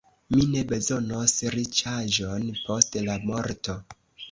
Mi ne bezonos riĉaĵon post la morto.